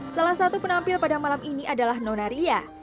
salah satu penampil pada malam ini adalah nonaria